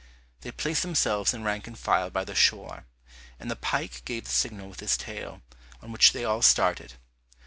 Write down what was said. They placed themselves in rank and file by the shore, and the pike gave the signal with his tail, on which they all started.